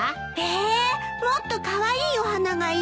えもっとカワイイお花がいい。